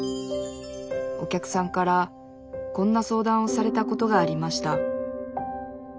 お客さんからこんな相談をされたことがありました